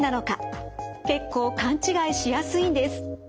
結構勘違いしやすいんです。